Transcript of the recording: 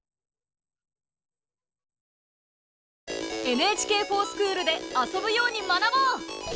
「ＮＨＫｆｏｒＳｃｈｏｏｌ」で遊ぶように学ぼう！